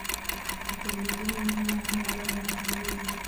که تلویزیون وي نو نړۍ نه هیریږي.